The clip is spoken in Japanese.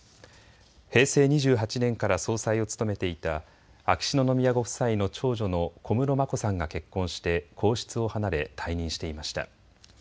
平成２８年から総裁を務めていた秋篠宮ご夫妻の長女の小室眞子さんが結婚して皇室を離れ退任していました。